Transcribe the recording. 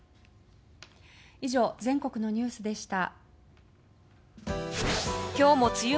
以上、全国のニュースでした。